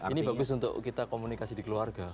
ini bagus untuk kita komunikasi di keluarga